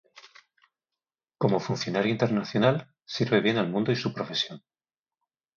Como funcionario internacional, sirve bien al mundo y su profesión.